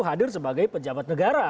hadir sebagai pejabat negara